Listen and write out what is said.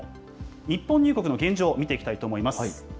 日本入国の現状、見ていきたいと思います。